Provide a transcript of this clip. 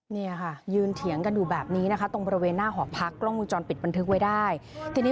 เนี่ยค่ะยืนเถียงกันอยู่แบบนี้นะคะตรงบริเวณหน้าหอพักกล้องวงจรปิดบันทึกไว้ได้ทีนี้